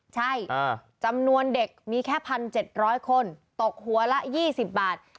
ใช่จำนวนเด็กมีแค่๑๗๐๐คนตกหัวละ๒๐บาท